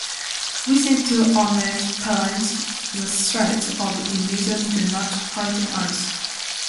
'We say to Olmert, Peretz: Your threats of invasion do not frighten us.